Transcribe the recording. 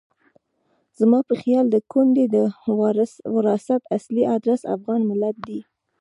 زما په خیال د کونډې د وراثت اصلي ادرس افغان ملت دی.